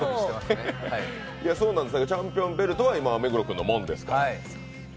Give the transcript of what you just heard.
チャンピオンベルトは目黒君のものですから。